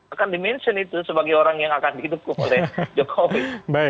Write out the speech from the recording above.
akan dimention itu sebagai orang yang akan didukung oleh jokowi